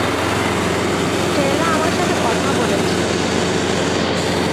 Stella আমার সাথে কথা বলেছে।